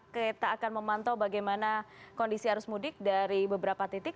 kita akan memantau bagaimana kondisi arus mudik dari beberapa titik